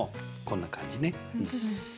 こんな感じね。